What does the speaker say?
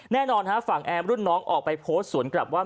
แน่นอนฮะฝั่งแอมรุ่นน้องออกไปโพสต์สวนกลับว่า